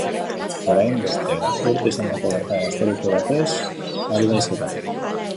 Orain bostehun urte izandako gertaera historiko batez ari da hizketan.